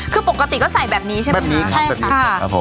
คือปกติก็ใส่แบบนี้ใช่มั้ยครับ